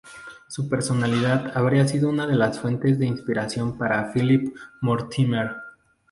Su personalidad habría sido una de las fuentes de inspiración para Philip Mortimer.